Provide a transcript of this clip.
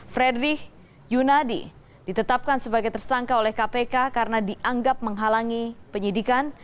fredrich yunadi ditetapkan sebagai tersangka oleh kpk karena dianggap menghalangi penyidikan